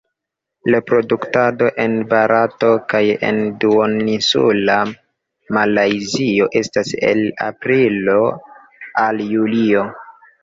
Reproduktado en Barato kaj en Duoninsula Malajzio estas el aprilo al julio.